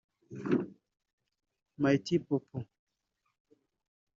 “Might Popo